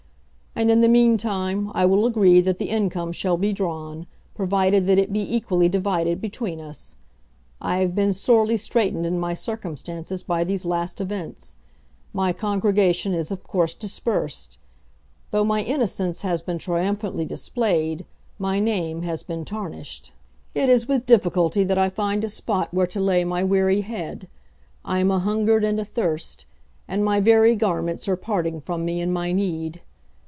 And in the meantime, I will agree that the income shall be drawn, provided that it be equally divided between us. I have been sorely straitened in my circumstances by these last events. My congregation is of course dispersed. Though my innocence has been triumphantly displayed, my name has been tarnished. It is with difficulty that I find a spot where to lay my weary head. I am ahungered and athirst; and my very garments are parting from me in my need.